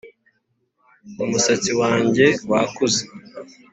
umusatsi wanjye wakuze,